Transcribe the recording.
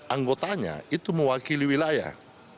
anggotanya itu mewakili wilayah